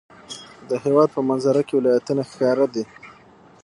د هېواد په منظره کې ولایتونه ښکاره دي.